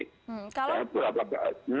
mereka hanya berpikir pikir